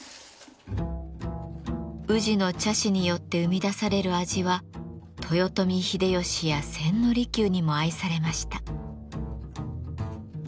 宇治の茶師によって生み出される味は豊臣秀吉や千利休にも愛されました。